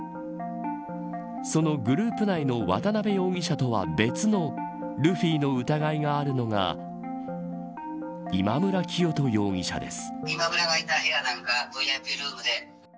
そのグループ内の渡辺容疑者とは別のルフィの疑いがあるのが今村磨人容疑者です。